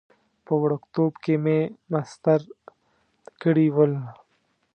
په وړکتوب کې مې مسطر کړي ول.